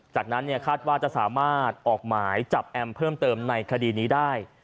จากนั้นคาดว่าจะสามารถออกหมายจับแอมเพิ่มเติมในคดีนี้ได้